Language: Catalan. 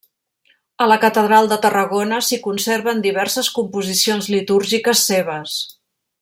A la catedral de Tarragona s'hi conserven diverses composicions litúrgiques seves.